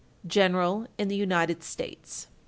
_General in the United States.